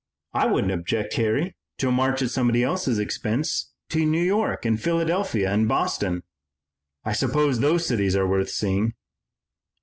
I wouldn't object, Harry, to a march at somebody else's expense to New York and Philadelphia and Boston. I suppose those cities are worth seeing."